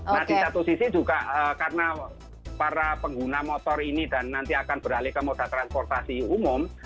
nah di satu sisi juga karena para pengguna motor ini dan nanti akan beralih ke moda transportasi umum